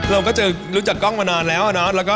เราก็รู้จักกล้องมานานแล้วนะ